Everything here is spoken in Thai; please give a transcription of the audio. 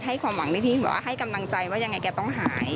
ความหวังดีพี่บอกว่าให้กำลังใจว่ายังไงแกต้องหาย